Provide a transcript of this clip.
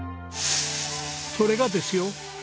それがですよ！